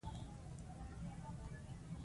د یو باادبه او سوکاله افغانستان په هیله.